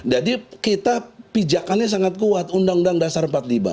jadi kita pijakannya sangat kuat undang undang dasar empat puluh lima